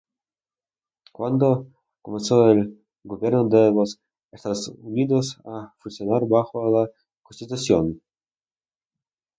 ¿Cuándo comenzó el gobierno de los Estados Unidos a funcionar bajo la Constitución?